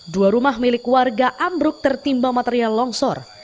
dua rumah milik warga ambruk tertimpa material longsor